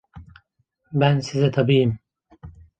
Ben size tabiyim.